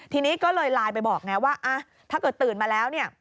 ทีนี้ก็เลยไลน์ไปบอกไงว่าถ้าเกิดตื่นมาแล้วเนี่ย